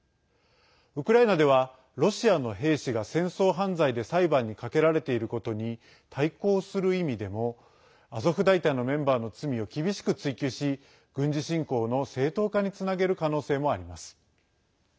ウクライナではロシアの兵士が戦争犯罪で裁判にかけられていることに対抗する意味でもアゾフ大隊のメンバーの罪を厳しく追及し軍事侵攻の正当化につなげる可能性もあります。